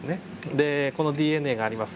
でこのＤＮＡがあります。